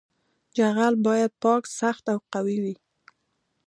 جغل باید پاک سخت او قوي وي